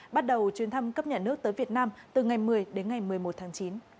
bắt đầu chuyến thăm cấp nhà nước tới việt nam từ ngày một mươi đến ngày một mươi một tháng chín